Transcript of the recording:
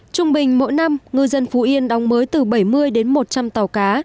trung bình mỗi năm ngư dân phú yên đóng mới từ bảy mươi đến một trăm linh tàu cá